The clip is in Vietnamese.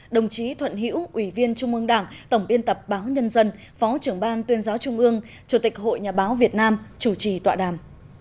đồng chí thuận hữu ủy viên trung ương đảng tổng biên tập báo nhân dân phó trưởng ban tuyên giáo trung ương chủ tịch hội nhà báo việt nam chủ trì tọa đàm